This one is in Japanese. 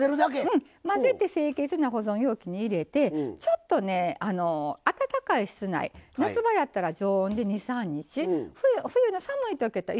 混ぜて清潔な保存容器に入れてちょっと暖かい室内夏場やったら常温で２３日冬の寒いときだったら